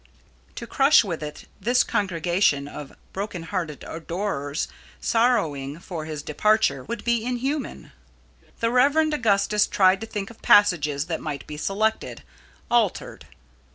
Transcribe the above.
To crush with it this congregation of broken hearted adorers sorrowing for his departure would be inhuman. The Rev. Augustus tried to think of passages that might be selected, altered.